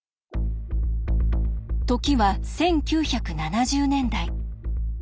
時は１９７０年代。